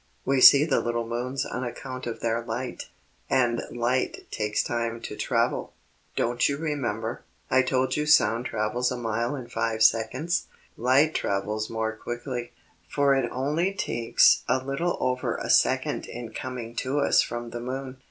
We see the little moons on account of their light, and light takes time to travel. Don't you remember, I told you sound travels a mile in five seconds. Light travels even more quickly, for it only takes a little over a second in coming to us from the moon.